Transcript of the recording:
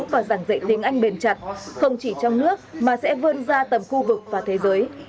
và giảng dạy tiếng anh bền chặt không chỉ trong nước mà sẽ vươn ra tầm khu vực và thế giới